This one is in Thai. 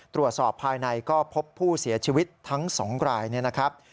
ตรวจสอบภายในก็พบผู้เสียชีวิตทั้ง๒รายเนี่ยนะครับ